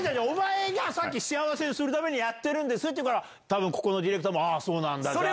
お前がさっき「幸せにするためにやってる」って言うからここのディレクターも「そうなんだ」。